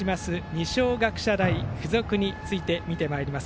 二松学舎大付属について見てまいります。